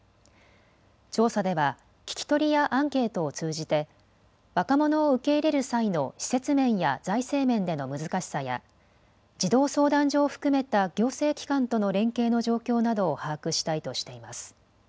調査では聞き取りやアンケートを通じて若者を受け入れる際の施設面や財政面での難しさや児童相談所を含めた行政機関との連携の状況などを把握したいとしています。